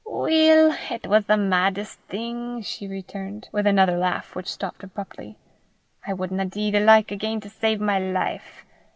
"Weel, it was the maddest thing!" she returned, with another laugh which stopped abruptly. " I wadna dee the like again to save my life.